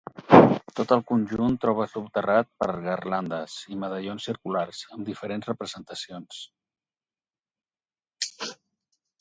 Tot el conjunt troba soterrat per garlandes i medallons circulars, amb diferents representacions.